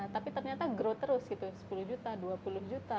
tapi ternyata grow terus gitu sepuluh juta dua puluh juta empat puluh juta enam puluh juta